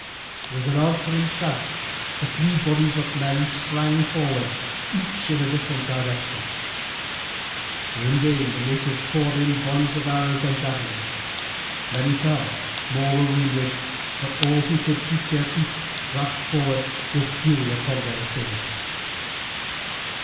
With an answering shout the three bodies of men sprang forward, each in a different direction. In vain the natives poured in volleys of arrows and javelins; many fell, more were wounded, but all who could keep their feet rushed forward with fury upon their assailants.